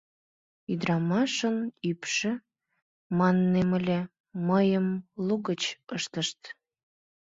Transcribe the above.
— Ӱдырамашын ӱпшӧ... — маннем ыле, мыйым лугыч ыштышт.